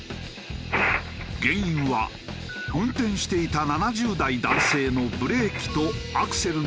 原因は運転していた７０代男性のブレーキとアクセルの踏み間違いだった。